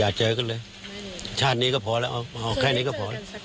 เจอกันเลยชาตินี้ก็พอแล้วเอาแค่นี้ก็พอ